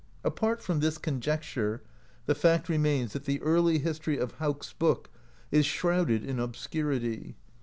Apart from this conjecture, the fact remains that the early history of Hauk's Book is shrouded in obscurity.